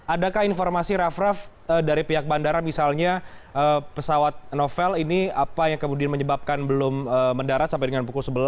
adakah informasi raff raff dari pihak bandara misalnya pesawat novel ini apa yang kemudian menyebabkan belum mendarat sampai dengan pukul sebelas